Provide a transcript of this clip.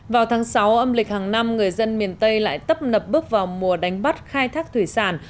vào tháng sáu âm lịch hàng năm người dân miền tây lại tấp nập bước vào mùa đánh bắt khai thác thủy sản